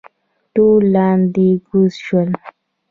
ټول لاندې کوز شول.